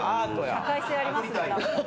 社会性ありますね。